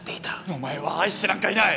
お前は愛してなんかいない！